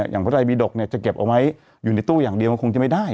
พระไรบีดกจะเก็บเอาไว้อยู่ในตู้อย่างเดียวมันคงจะไม่ได้